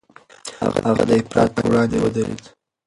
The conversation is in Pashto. هغه د افراط پر وړاندې ودرېد.